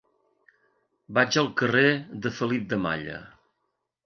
Vaig al carrer de Felip de Malla.